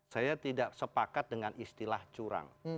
saya tidak sepakat dengan istilah curang